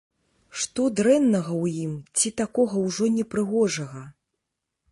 Што дрэннага ў ім ці такога ўжо непрыгожага?